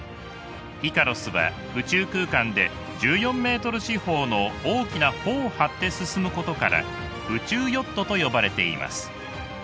イカロスは宇宙空間で１４ｍ四方の大きな帆を張って進むことから宇宙ヨットと呼ばれています。